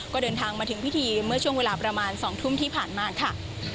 ก็เดินทางมาถึงพิธีเมื่อช่วงเวลาประมาณ๒ทุ่มที่ผ่านมาค่ะ